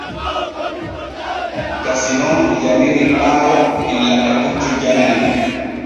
Gasiron yaniri ɓaayo illa e puccu janni.